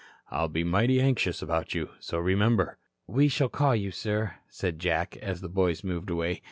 I'll be mighty anxious about you. So remember." "We shall call you, sir," said Jack, as the boys moved away.